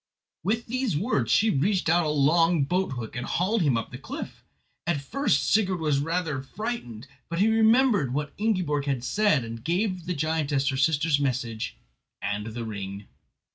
With these words she reached out a long boat hook and hauled him up the cliff. At first Sigurd was rather frightened, but he remembered what Ingiborg had said, and gave the giantess her sister's message and the ring.